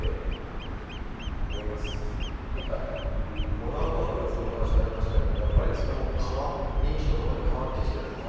もらう額ってお話ありましたけどやっぱりそれも人気とともに変わってきてるんですか？